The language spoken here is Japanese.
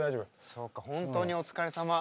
そうか本当にお疲れさま。